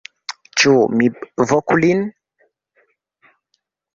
Ĉu mi voku lin?